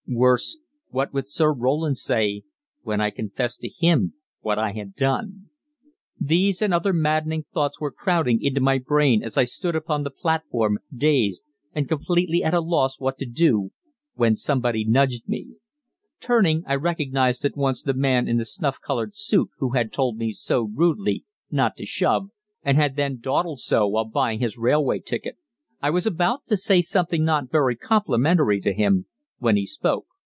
Worse, what would Sir Roland say when I confessed to him what I had done? These and other maddening thoughts were crowding into my brain as I stood upon the platform, dazed, and completely at a loss what to do, when somebody nudged me. Turning, I recognized at once the man in the snuff coloured suit who had told me so rudely "not to shove," and had then dawdled so while buying his railway ticket. I was about to say something not very complimentary to him, when he spoke.